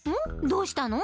どうしたの？